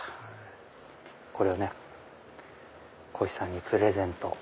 これをこひさんにプレゼント。